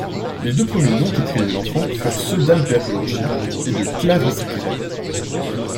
Les deux premiers noms qu'écrivit l'enfant furent ceux d'Albert du Rocher et de Clarice Gray.